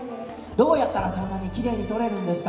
どうやったらそんなにきれいに撮れるんですか。